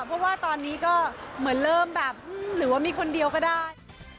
เพราะว่าตอนนี้ก็เหมือนเริ่มแบบหรือว่ามีคนเดียวก็ได้